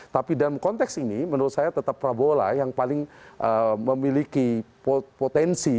tapi dalam konteks ini menurut saya tetap prabowo lah yang paling memiliki potensi